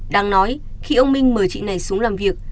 đang nói khi ông minh mời chị này xuống làm việc